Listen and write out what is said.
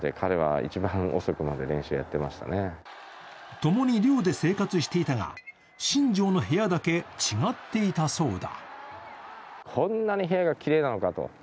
共に寮で生活していたが新庄の部屋だけ違っていたそうだ。